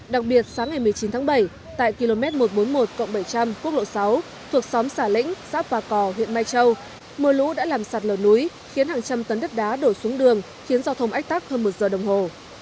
đặc biệt sáng ngày một mươi chín tháng bảy tại km một trăm bốn mươi một bảy trăm linh quốc lộ sáu thuộc xóm xả lĩnh xã phà cò huyện mai châu mưa lũ đã làm sạt lở núi khiến hàng trăm tấn đất đá đổ xuống đường khiến giao thông ách tắc hơn một giờ đồng hồ